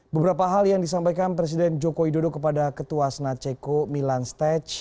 beberapa hal yang disampaikan presiden joko widodo kepada ketua senat ceko milan stage